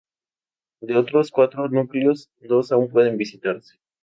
De los otros cuatro núcleos, dos aún pueden visitarse.